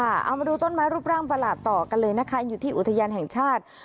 เอามาดูต้นไม้รูปร่างประหลาดต่อกันเลยนะคะอยู่ที่อุทยานแห่งชาติ